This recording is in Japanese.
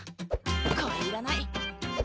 これいらない。